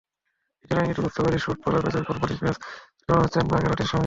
ইশারা-ইঙ্গিতে বুঝতে পারি স্যুট পরা বেজায় ফরমাল ইংরেজ জেন্টেলম্যান হচ্ছেন মার্গারেটের স্বামী।